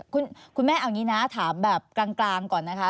คุณแม่เอาอย่างนี้นะถามแบบกลางก่อนนะคะ